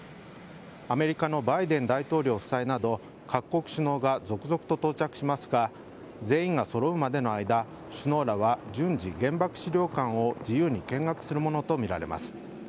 アメリカのバイデン大統領夫妻など各国首脳が続々と到着しますが全員がそろうまでの間首脳らは順次、原爆資料館を自由に見学するものとみられます。